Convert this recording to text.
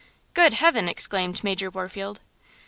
"Good Heaven!" exclaimed Major Warfield.